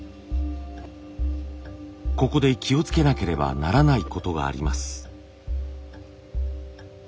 ここで気をつけなければならないことがあります。